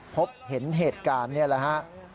พบเห็นเหตุการณ์เนี่ยแหละครับ